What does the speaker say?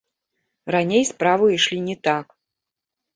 Раней справы ішлі не так.